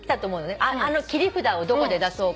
「あの切り札をどこで出そうか」